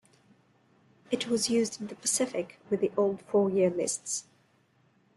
It was used in the Pacific with the old four-year lists.